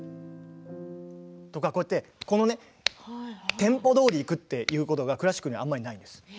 テンポどおりにいくということがクラシックにはあまりないんです。